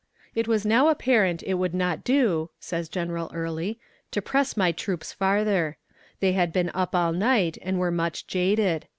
"It was now apparent that it would not do," says General Early, "to press my troops farther. They had been up all night and were much jaded.